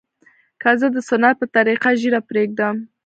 که زه د سنت په طريقه ږيره پرېږدم.